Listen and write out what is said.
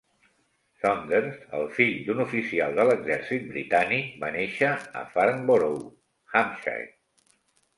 Saunders, el fill d'un oficial de l'exèrcit britànic, va néixer a Farnborough, Hampshire.